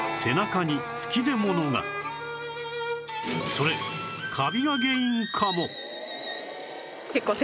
それカビが原因かも